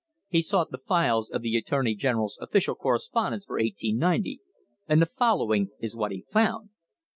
He sought the files of the attorney general's official correspondence for 1890, and the following is what he found.